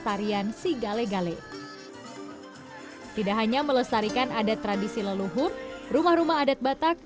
tarian sigale gale tidak hanya melestarikan adat tradisi leluhur rumah rumah adat batak